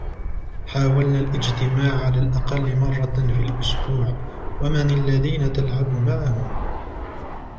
" حاولنا الإجتماع على الأقل مرة في الأسبوع. "" و من الذين تلعب معهم ؟"